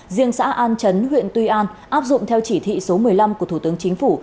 riêng xã an chấn huyện tuy an áp dụng theo chỉ thị số một mươi năm của thủ tướng chính phủ